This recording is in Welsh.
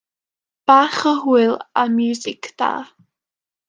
Bach o hwyl a miwsig da.